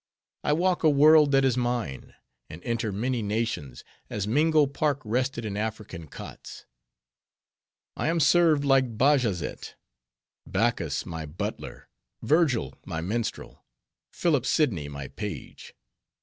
I walk a world that is mine; and enter many nations, as Mingo Park rested in African cots; I am served like Bajazet: Bacchus my butler, Virgil my minstrel, Philip Sidney my page.